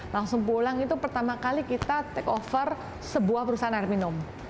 langsung pulang itu pertama kali kita take over sebuah perusahaan air minum